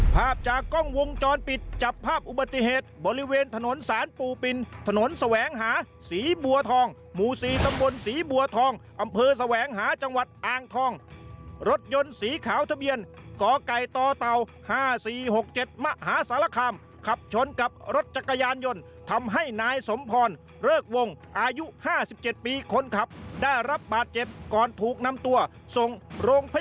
ภาพจากกล้องวงจรปิดจับภาพอุบัติเหตุบริเวณถนนศาลปูปินถนนแสวงหาศรีบัวทองหมู่๔ตำบลศรีบัวทองอำเภอแสวงหาจังหวัดอ่างทองรถยนต์สีขาวทะเบียนกไก่ต่อเต่า๕๔๖๗มหาสารคามขับชนกับรถจักรยานยนต์ทำให้นายสมพรเริกวงอายุ๕๗ปีคนขับได้รับบาดเจ็บก่อนถูกนำตัวส่งโรงพยาบาล